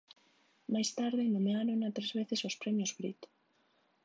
Máis tarde nomeárona tres veces aos premios Brit.